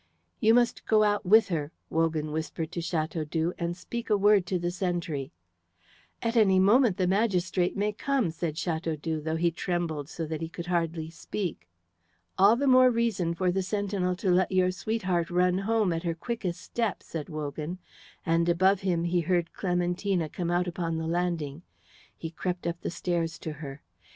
"You must go out with her," Wogan whispered to Chateaudoux, "and speak a word to the sentry." "At any moment the magistrate may come," said Chateaudoux, though he trembled so that he could hardly speak. "All the more reason for the sentinel to let your sweetheart run home at her quickest step," said Wogan, and above him he heard Clementina come out upon the landing. He crept up the stairs to her.